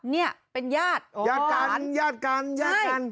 เนี่ยเป็นญาติญาติกันญาติกันญาติกัน